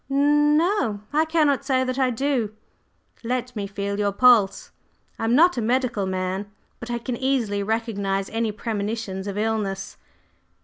"N n o! I cannot say that I do. Let me feel your pulse; I am not a medical man but I can easily recognize any premonitions of illness."